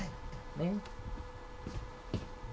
ねっ？